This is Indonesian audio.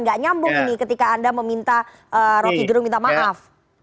nggak nyambung ini ketika anda meminta rocky gerung minta maaf